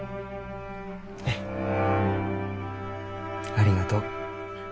ありがとう。